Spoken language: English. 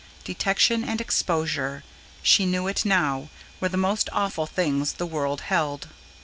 Detection and exposure, she knew it now, were the most awful things the world held.